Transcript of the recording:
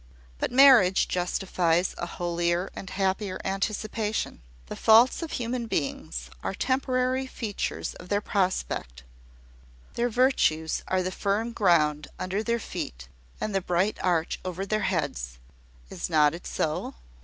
But marriage justifies a holier and happier anticipation. The faults of human beings are temporary features of their prospect: their virtues are the firm ground under their feet, and the bright arch over their heads. Is it not so?"